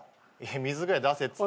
水ぐらい出せっつって。